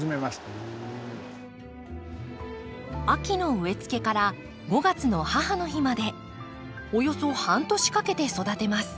秋の植えつけから５月の母の日までおよそ半年かけて育てます。